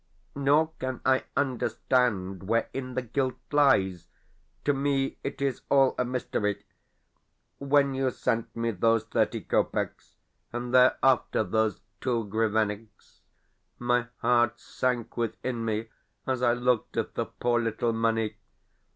Nor can I understand wherein the guilt lies. To me it is all a mystery. When you sent me those thirty kopecks, and thereafter those two grivenniks, my heart sank within me as I looked at the poor little money.